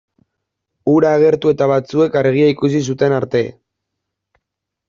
Hura agertu eta batzuek argia ikusi zuten arte.